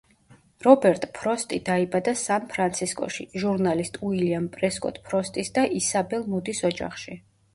რობერტ ფროსტი დაიბადა სან-ფრანცისკოში, ჟურნალისტ უილიამ პრესკოტ ფროსტის და ისაბელ მუდის ოჯახში.